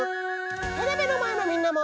テレビのまえのみんなも。